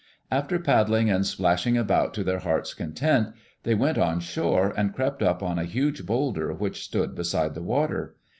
After paddling and splashing about to their hearts' content, they went on shore and crept up on a huge boulder which stood beside the water.